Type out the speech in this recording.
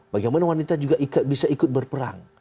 bagaimana wanita juga bisa ikut berperang